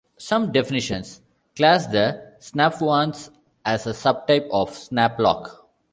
Some definitions class the snaphaunce as a sub-type of snaplock.